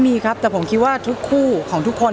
มีครับแต่ผมคิดว่าทุกคู่ของทุกคน